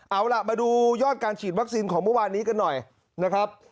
เอาล่ะมาดูยอดการฉีดวัคซีนของเมื่อวานนี้กันหน่อยนะครับ